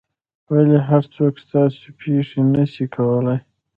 ولي هر څوک ستاسو پېښې نه سي کولای؟